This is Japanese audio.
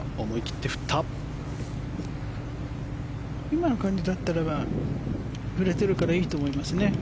今の感じだったら振れているからいいと思いますね。